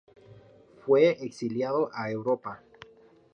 Fue exiliado a Europa.